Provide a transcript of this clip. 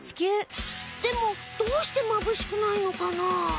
でもどうしてまぶしくないのかな？